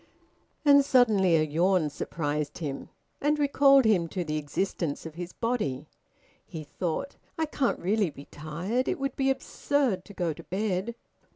And suddenly a yawn surprised him, and recalled him to the existence of his body. He thought: "I can't really be tired. It would be absurd to go to bed."